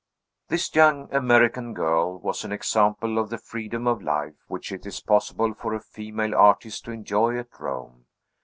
This young American girl was an example of the freedom of life which it is possible for a female artist to enjoy at Rome.